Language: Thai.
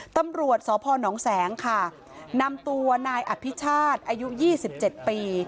ตำรวจสพนแสงค่ะนำตัวนายอภิชาติอายุยี่สิบเจ็ดปี